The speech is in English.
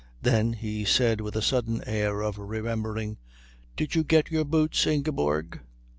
Then he said with a sudden air of remembering, "Did you get your boots, Ingeborg?"